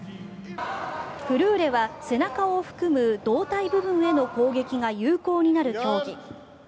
フルーレは背中を含む胴体部分への攻撃が有効になる競技。